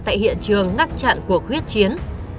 tại hiện trường ngắt chặn cuộc huyết chiến